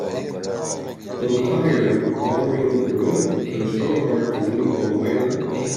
don Chathaoirleach Máirín de Brún; don Stiúrthóir Liam Ó Maolaodha